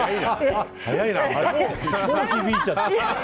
もう響いちゃってる。